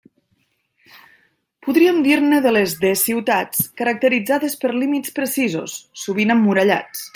Podríem dir-ne les d-ciutats, caracteritzades per límits precisos, sovint emmurallats.